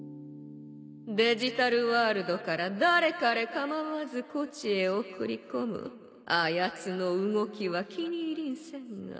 デジタルワールドから誰彼構わずこちへ送り込むあやつの動きは気に入りんせんが